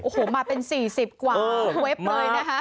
โอ้โหมาเป็น๔๐กว่าเว็บเลยนะคะ